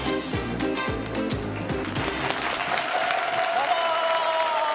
どうも。